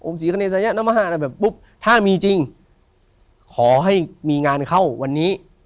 อมศรีขเนศยะน้ำห้าแบบปุ๊บถ้ามีจริงขอให้มีงานเข้าวันนี้